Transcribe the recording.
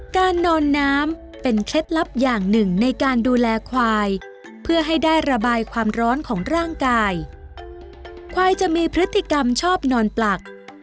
การนอนน้ำเป็นเคล็ดลับอย่างหนึ่งในการดูแลควายเพื่อให้ได้ระบายความร้อนของร่างกายควายจะมีพฤติกรรมชอบนอนปลัก